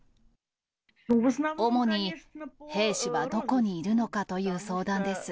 主に兵士はどこにいるのかという相談です。